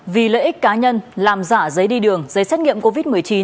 vì lợi ích cá nhân làm giả giấy đi đường giấy xét nghiệm covid một mươi chín